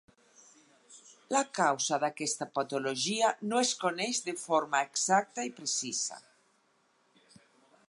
La causa d'aquesta patologia no es coneix de forma exacta i precisa.